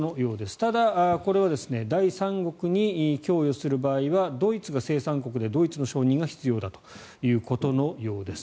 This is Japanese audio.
ただ、これは第三国に供与する場合にはドイツが生産国でドイツの承認が必要だということのようです。